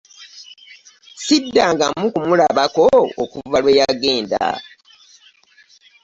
Siddangamu kumulabako okuva lwe ya genda.